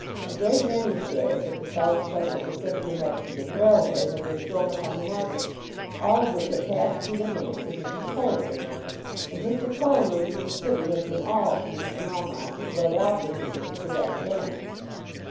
A great many shares of the South Central Pacific and Mexican Railway had been thrown upon the market, all of which had passed through the hands of Mr. Cohenlupe; and Mr. Cohenlupe in the City had been all to Mr. Melmotte as Lord Alfred had been at the West End.